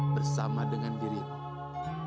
bersama dengan diri allah